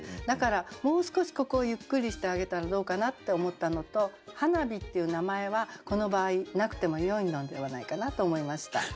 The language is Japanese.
だからもう少しここをゆっくりしてあげたらどうかなって思ったのと「はなび」っていう名前はこの場合なくてもよいのではないかなと思いました。